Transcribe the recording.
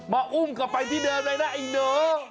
อุ้มกลับไปที่เดิมเลยนะไอ้น้อง